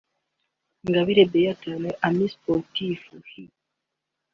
Ingabire Béatha (Les Amis Sportifs) h’”)